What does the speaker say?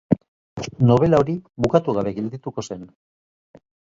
Nobela hori bukatu gabe geldituko zen.